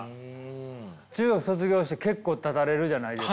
中学卒業して結構たたれるじゃないですか。